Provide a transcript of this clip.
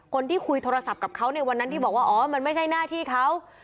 คนที่คุยโทรศัพท์กับเขาในวันนั้นที่บอกว่าอ๋อมันไม่ใช่หน้าที่เขา